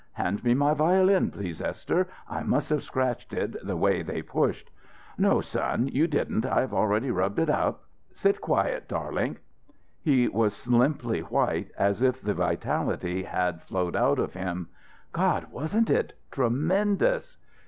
"Hand me my violin please, Esther. I must have scratched it, the way they pushed." "No, son; you didn't. I've already rubbed it up. Sit quiet, darlink!" He was limply white, as if the vitality had flowed out of him. "God! Wasn't it tremendous?"